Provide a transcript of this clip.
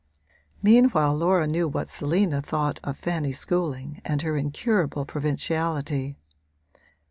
Meanwhile Laura knew what Selina thought of Fanny Schooling and her incurable provinciality.